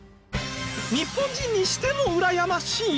日本人にしてもうらやましい！？